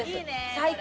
最高！